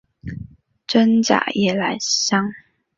滇假夜来香